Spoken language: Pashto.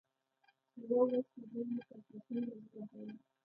يوه ورځ چې زه يې په څپېړو ووهلم.